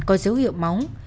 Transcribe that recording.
có dấu hiệu máu